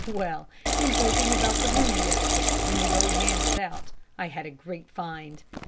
Well! In poking about the room the other day, when the old man was out, I had a great find.